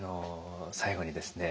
最後にですね